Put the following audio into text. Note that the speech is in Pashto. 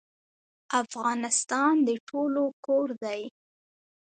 افغانستان د ټولو کور دی